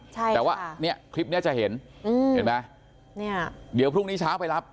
แต่ว่าเนี่ยคลิปเนี้ยจะเห็นอืมเห็นไหมเนี่ยเดี๋ยวพรุ่งนี้เช้าไปรับ